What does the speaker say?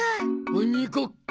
鬼ごっこ。